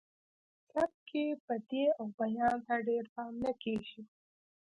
په هندي سبک کې بدیع او بیان ته ډیر پام نه کیږي